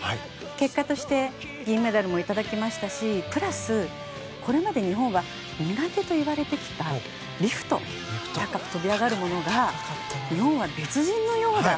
結果として銀メダルも頂きましたしプラス、これまで日本は苦手と言われてきたリフト、高く飛び上がるものが日本は別人のようだ